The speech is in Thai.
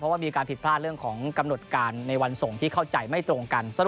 ว่ามีการผิดพลาดเรื่องของกำหนดการในวันส่งที่เข้าใจไม่ตรงกัน